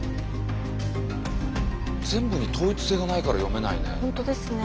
全部に統一性がないから読めないね。